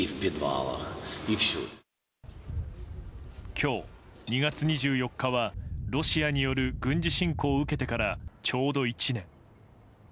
今日、２月２４日はロシアによる軍事侵攻を受けてからちょうど１年。